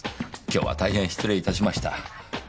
今日は大変失礼いたしました。